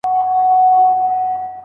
هر څومره چي سړی شرم کوي هغومره ځوریږي.